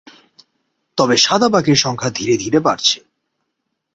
তবে সাদা বাঘের সংখ্যা ধীরে ধীরে বাড়ছে।